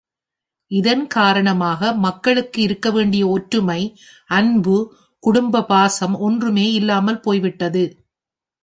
இதன் காரணமாக மக்களுக்கு இருக்க வேண்டிய ஒற்றுமை, அன்பு, குடும்ப பாசம் ஒன்றுமே இல்லாமல் போய்விட்டது.